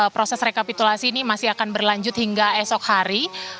proses rekapitulasi ini masih akan berlanjut hingga esok hari